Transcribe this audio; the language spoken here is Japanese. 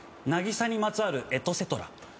『渚にまつわるエトセトラ』